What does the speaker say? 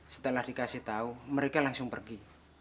setelah dikasih tahu mereka langsung pergi